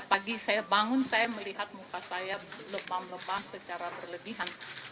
pagi saya bangun saya melihat muka saya lebam lebam secara berlebihan